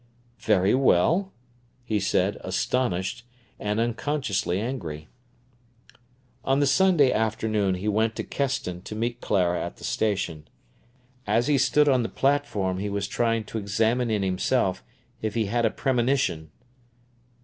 "Very well," he said, astonished, and unconsciously angry. On the Sunday afternoon he went to Keston to meet Clara at the station. As he stood on the platform he was trying to examine in himself if he had a premonition.